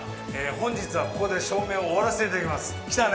「本日は、ここで照明を終わらせていただきます」。